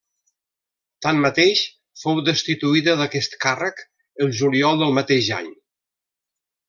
Tanmateix, fou destituïda d'aquest càrrec el juliol del mateix any.